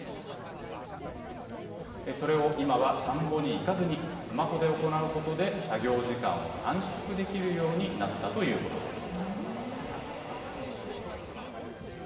それを今は田んぼに行かずに、スマホで行うことで、作業時間を短縮できるようになったということです。